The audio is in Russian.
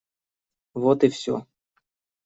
Вот и все.